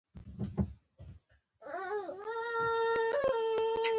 لکه د چا کور چې له بيخه ونړوې.